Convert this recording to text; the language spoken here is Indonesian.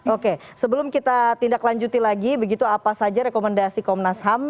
oke sebelum kita tindak lanjuti lagi begitu apa saja rekomendasi komnas ham